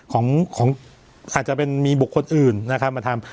ของของอาจจะเป็นมีบุคคลอื่นนะครับมาทำ